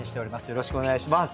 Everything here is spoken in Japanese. よろしくお願いします。